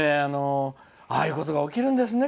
ああいうことが起きるんですね。